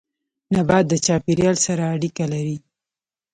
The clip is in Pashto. نبات د چاپيريال سره اړيکه لري